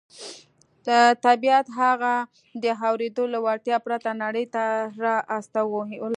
طبیعت هغه د اورېدو له وړتیا پرته نړۍ ته را استولی و